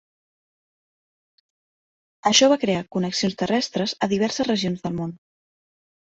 Això va crear connexions terrestres a diverses regions del món.